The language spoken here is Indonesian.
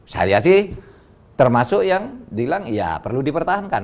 saya sih termasuk yang bilang ya perlu dipertahankan